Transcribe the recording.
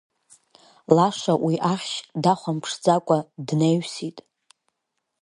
Лаша уи Ахьшь дахәамԥшӡакәа днаҩсит.